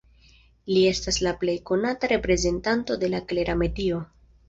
Li estas la plej konata reprezentanto de la Klera metio.